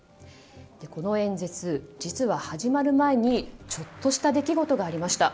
この演説、実は始まる前にちょっとした出来事がありました。